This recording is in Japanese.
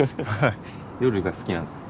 夜が好きなんすか？